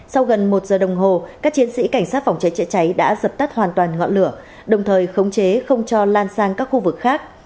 sau gần một giờ đồng hồ các chiến sĩ cảnh sát phòng cháy chữa cháy đã dập tắt hoàn toàn ngọn lửa đồng thời khống chế không cho lan sang các khu vực khác